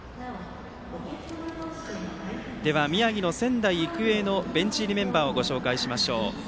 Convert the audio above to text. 宮城の仙台育英のベンチ入りメンバーご紹介しましょう。